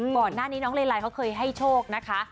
ก่อนหน้านี้น้องเลไลเขาเคยให้โชคนะคะ